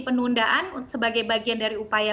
penundaan sebagai bagian dari upaya